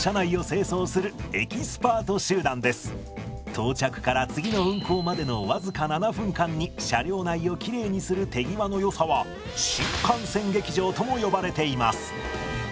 到着から次の運行までの僅か７分間に車両内をきれいにする手際のよさは新幹線劇場とも呼ばれています。